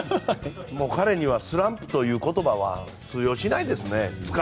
彼にはスランプという言葉は通用しないですね。